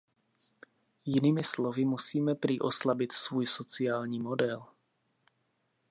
Jinými slovy musíme prý oslabit svůj sociální model.